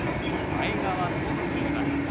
前川と言います。